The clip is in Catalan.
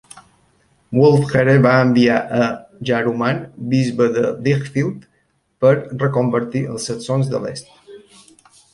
Wulfhere va enviar a Jaruman, bisbe de Lichfield, per reconvertir els saxons de l'est.